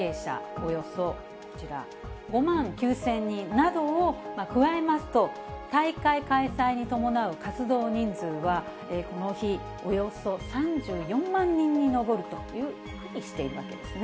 およそこちら、５万９０００人などを加えますと、大会開催に伴う活動人数は、この日、およそ３４万人に上るというふうにしているわけですね。